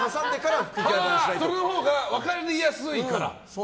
そのほうが分かりやすいから。